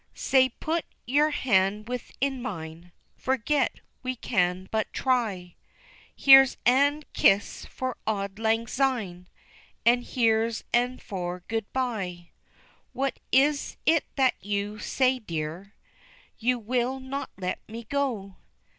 Sae put yer hand within mine, Forget we can but try, Here's ane kiss for auld lang syne, And here's ane for good bye. What is it that you say, dear, You will not let me go?